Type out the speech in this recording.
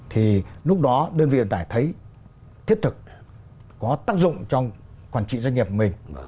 thì lúc đó đơn vị vận tải thấy thiết thực có tác dụng trong quản trị doanh nghiệp mình